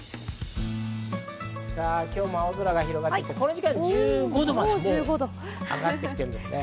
今日も青空が広がって、この時間１５度まで上がってきているんですね。